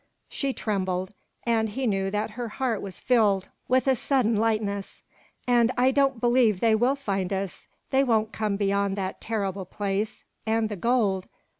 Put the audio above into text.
She trembled, and he knew that her heart was filled with a sudden lightness. "And I don't believe they will find us. They won't come beyond that terrible place and the gold!